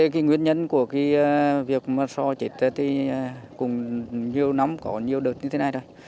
về nguyên nhân của việc sò chết thì cũng nhiều năm có nhiều đợt như thế này thôi